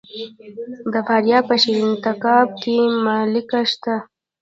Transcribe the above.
د فاریاب په شیرین تګاب کې مالګه شته.